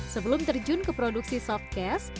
sebelum terjun ke produksi softcas